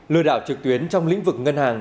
lừa đảo trực tuyến trong lĩnh vực ngân hàng